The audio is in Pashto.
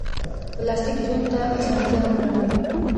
پلاستيک ژوند ته اسانتیا هم راوړي.